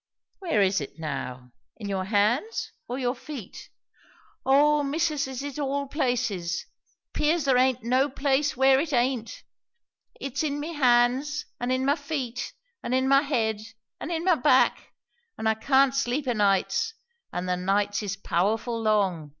"Where is it now? in your hands, or your feet?" "O missus, it is all places! 'Pears there aint no place where it aint. It's in my hands, and in my feet, and in my head, and in my back; and I can't sleep o' nights; and the nights is powerful long!